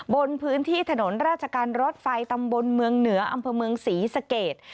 บนพื้นที่ถนนราชการรถไฟตำบลเมืองเหนืออำเภอเมืองศรีสเกต